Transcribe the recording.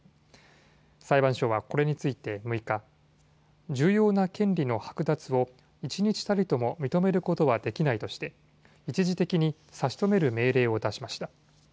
裁判所はこれについて６日、重要な権利の剥奪を一日たりとも認めることはできないとして一時的に差し止める命令を出しました。